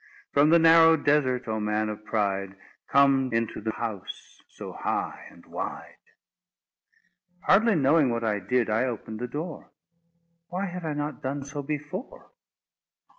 From the narrow desert, O man of pride, Come into the house, so high and wide. Hardly knowing what I did, I opened the door. Why had I not done so before?